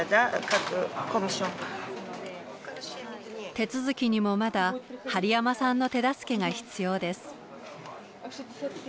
手続きにもまだ針山さんの手助けが必要です。